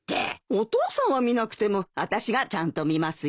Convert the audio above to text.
お父さんは見なくてもあたしがちゃんと見ますよ。